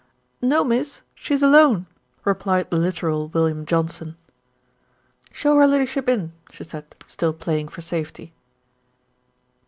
"No, Miss, she's alone," replied the literal William Johnson. "Show her Ladyship in," she said, still playing for safety.